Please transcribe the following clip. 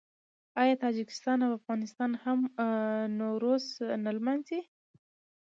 آیا تاجکستان او افغانستان هم نوروز نه لمانځي؟